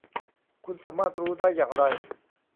คุณสามารถรู้ได้อย่างไร